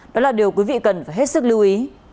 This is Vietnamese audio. đó là điều quý vị cần phải hết sức lưu ý